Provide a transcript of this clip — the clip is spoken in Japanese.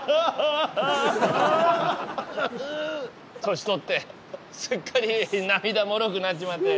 年取ってすっかり涙もろくなっちまって。